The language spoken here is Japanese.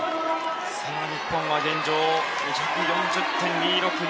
日本は現状、２４０．２６２。